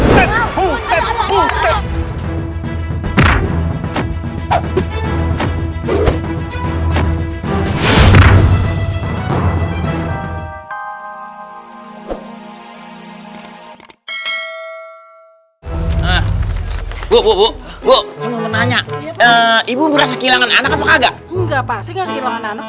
bu bu bu bu nanya ibu berhasil kehilangan anak atau enggak enggak pasir anak anak